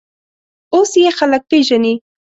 اوس یې خلک پېژني.